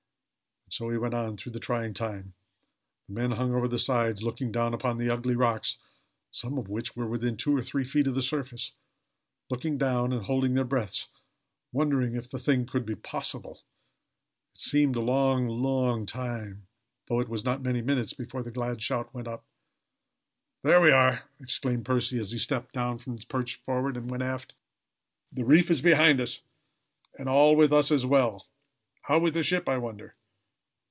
And so he went on through the trying time. The men hung over the sides, looking down upon the ugly rocks, some of which were within two or three feet of the surface looking down, and holding their breaths wondering if the thing could be possible. It seemed a long, long time; though it was not many minutes before the glad shout went up. "There we are!" exclaimed Percy, as he stepped down from his perch forward and went aft. "The reef is behind us, and all with us is well. How is it with the ship, I wonder?"